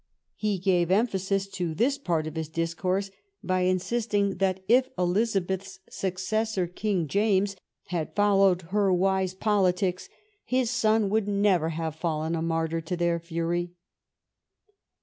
He gave emphasis to this part of his discourse by insist* ing that if Elizabeth's successor, King James, had «•» 289 THE REIGN OF QUEEN ANNE followed her wise politics, his son would never have fallen a martyr to their fury.